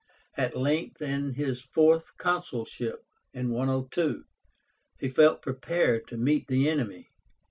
At length, in his fourth consulship (102), he felt prepared to meet the enemy.